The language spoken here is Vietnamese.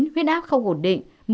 chín huyết áp không ổn định